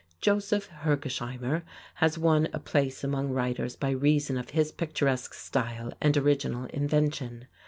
Joseph Hergesheimer has won a place among writers by reason of his picturesque style and original invention.